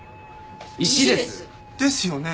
石です。ですよね。